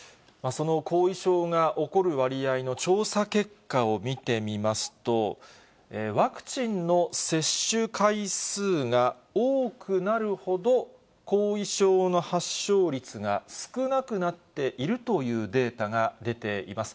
その後遺症が起こる割合の調査結果を見てみますと、ワクチンの接種回数が多くなるほど後遺症の発症率が少なくなっているというデータが出ています。